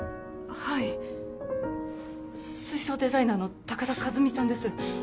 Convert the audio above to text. はい水槽デザイナーの高田和美さんです